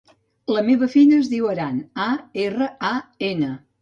La meva filla es diu Aran: a, erra, a, ena.